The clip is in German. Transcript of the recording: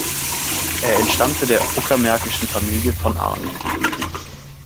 Er entstammte der uckermärkischen Familie von Arnim.